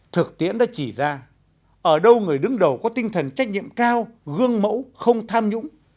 thực tiễn đã chỉ ra ở đâu người đứng đầu có tinh thần trách nhiệm cao gương mẫu không tham nhũng